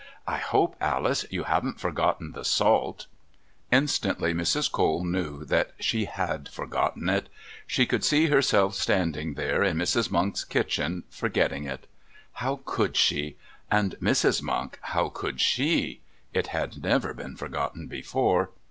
"I hope, Alice, you haven't forgotten the salt!" Instantly Mrs. Cole knew that she had forgotten it. She could see herself standing there in Mrs. Monk's kitchen forgetting it. How could she? And Mrs. Monk, how could SHE? It had never been forgotten before.